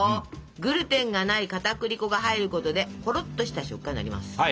グルテンがないかたくり粉が入ることでほろっとした食感になります！